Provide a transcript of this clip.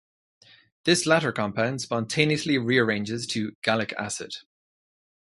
This latter compound spontaneously rearranges to gallic acid.